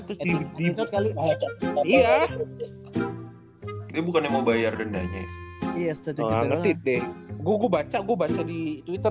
terus di bibliotek kali iya bukan mau bayar dendanya ngerti deh gua baca gua baca di twitter